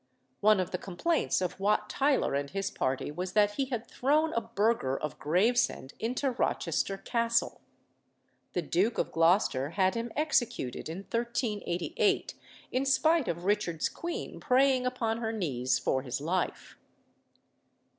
One of the complaints of Wat Tyler and his party was that he had thrown a burgher of Gravesend into Rochester Castle. The Duke of Gloucester had him executed in 1388, in spite of Richard's queen praying upon her knees for his life.